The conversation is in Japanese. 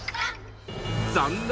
残念！